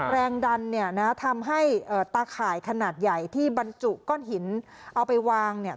แรงดันเนี่ยนะทำให้ตาข่ายขนาดใหญ่ที่บรรจุก้อนหินเอาไปวางเนี่ย